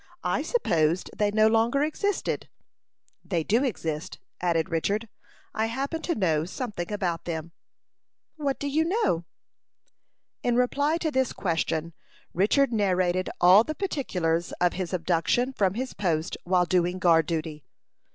I supposed they no longer existed." "They do exist," added Richard. "I happen to know something about them." "What do you know?" In reply to this question, Richard narrated all the particulars of his abduction from his post while doing guard duty.